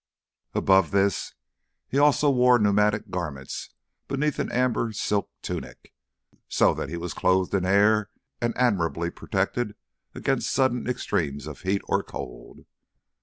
Above this he also wore pneumatic garments beneath an amber silk tunic, so that he was clothed in air and admirably protected against sudden extremes of heat or cold.